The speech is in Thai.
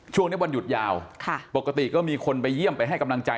วันหยุดยาวปกติก็มีคนไปเยี่ยมไปให้กำลังใจ